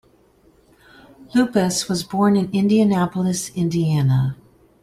Lupus was born in Indianapolis, Indiana.